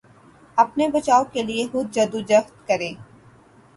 اپنے بچاؤ کے لیے خود جدوجہد کریں